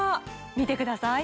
見てください